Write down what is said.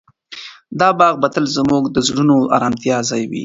دا باغ به تل زموږ د زړونو د ارامتیا ځای وي.